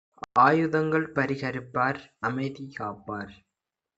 ஆயுதங்கள் பரிகரிப்பார், அமைதி காப்பார்